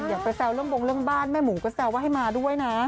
อย่าไปแซวเรื่องบงเรื่องบ้านแม่หมูก็แซวว่าให้มาด้วยนะ